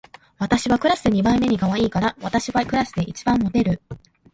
私はクラスで二番目にかわいいから、私はクラスで一番モテる